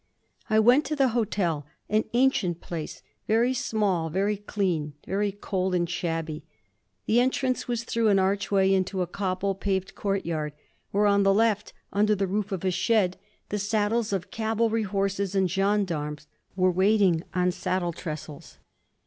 I went to the hotel an ancient place, very small, very clean, very cold and shabby. The entrance was through an archway into a cobble paved courtyard, where on the left, under the roof of a shed, the saddles of cavalry horses and gendarmes were waiting on saddle trestles.